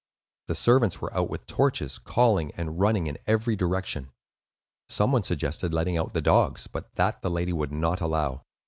The servants were out with torches, calling, and running in every direction. Some one suggested letting out the dogs; but that, the lady would not allow.